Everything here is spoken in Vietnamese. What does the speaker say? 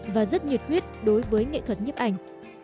và rất nhiệt huyết đối với nghệ thuật nhiếp ảnh